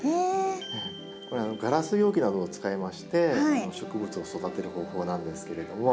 これガラス容器などを使いまして植物を育てる方法なんですけれども。